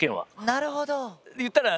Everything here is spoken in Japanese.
なるほど。